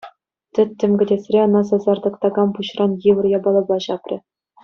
Тӗттӗм кӗтесре ӑна сасартӑк такам пуҫран йывӑр япалапа ҫапрӗ.